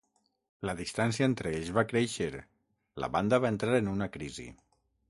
La distància entre ells va créixer, la banda va entrar en una crisi.